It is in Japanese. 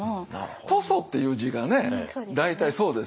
屠蘇っていう字がね大体そうですよね。